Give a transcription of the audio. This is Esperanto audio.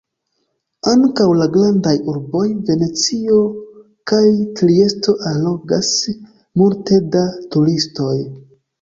Ankaŭ la grandaj urboj Venecio kaj Triesto allogas multe da turistoj.